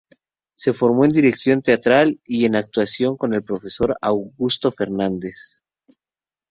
Se formó en dirección teatral y en actuación con el profesor Augusto Fernandes.